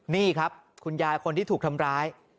นี่ครับคุณยายคนที่ถูกทำร้าย